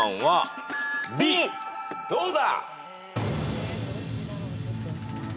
どうだ？